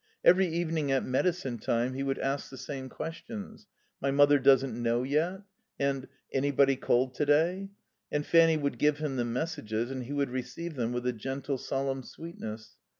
Every evening at medicine time he would ask the same questions: "My mother doesn't know yet?" And: "Anybody called to day?" And Fanny would give him the messages, and he would receive them with a gentle, solemn sweetness.